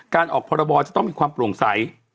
การออกพรบจะต้องมีความโปร่งใส